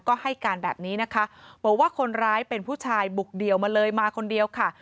ก็ให้การแบบนี้นะคะบอกว่าคนร้ายเป็นผู้ชายบุกเดี่ยวมาเลยมาคนเดียวค่ะ